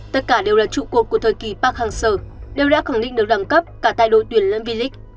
tất cả đều là trụ cột của thời kỳ park hang seo đều đã khẳng định được đẳng cấp cả tài đội tuyển lâm vy lịch